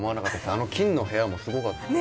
あの金の部屋もすごかった。